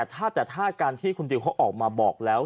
แต่ถ้าการที่คุณดิวเขาออกมาบอกแล้ว